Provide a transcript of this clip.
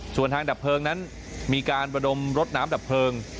ส่วนทางดับเพลิงนั้นมีการระดมรถน้ำดับเพลิง